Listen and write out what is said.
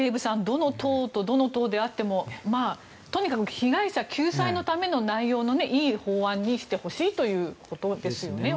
どの党とどの党であってもとにかく被害者救済のための内容のいい法案にしてほしいということですよね。